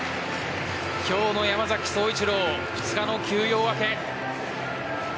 今日の山崎颯一郎２日の休養明け。